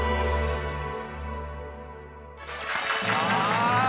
はい。